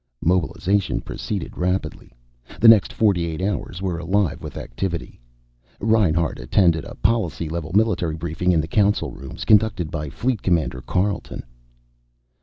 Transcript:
Mobilization proceeded rapidly. The next forty eight hours were alive with activity. Reinhart attended a policy level Military briefing in the Council rooms, conducted by Fleet Commander Carleton.